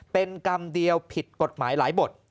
เป็นกรรมเดียวผิดกฎหมายหลายบท